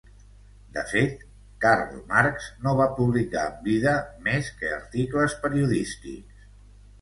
De fet, Karl Marx no va publicar en vida més que articles periodístics.